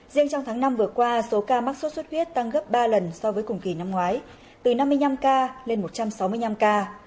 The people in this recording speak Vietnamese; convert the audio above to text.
riêng trong tháng năm vừa qua số ca mắc sốt xuất huyết tăng gấp ba lần so với cùng kỳ năm ngoái từ năm mươi năm ca lên một trăm sáu mươi năm ca